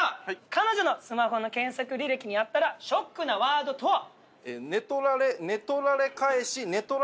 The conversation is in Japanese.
彼女のスマホの検索履歴にあったらショックなワードとは？